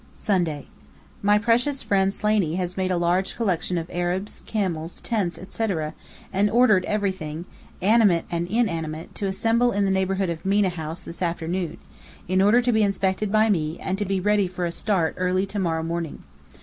Sunday: My precious friend Slaney has made a large collection of Arabs, camels, tents, etc., and ordered everything, animate and inanimate, to assemble in the neighbourhood of Mena House this afternoon, in order to be inspected by me, and to be ready for a start early to morrow morning.